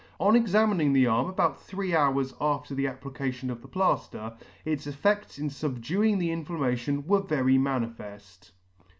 On examining the arm about three hours after the application of the plafter, its effects in fubduing the inflammation^were very manifeft.